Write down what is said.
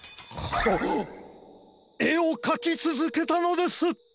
えをかきつづけたのです！